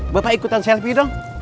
bapak ikutan selfie dong